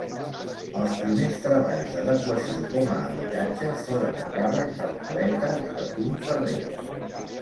Els primers treballs d'adequació com a habitatge foren a càrrec del paleta Joaquim Ferrer.